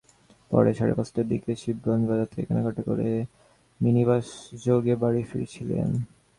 পরে সাড়ে পাঁচটার দিকে শিবগঞ্জ বাজার থেকে কেনাকাটা করে মিনিবাসযোগে বাড়ি ফিরছিলেন।